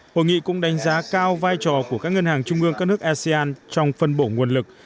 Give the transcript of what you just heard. hội nghị cũng đánh giá cao vai trò của các ngân hàng trung ương các nước asean trong phân bổ nguồn lực